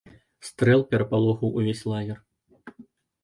Стрэл перапалохаў увесь лагер.